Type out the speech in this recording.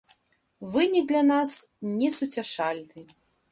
Вынік для нас несуцяшальны.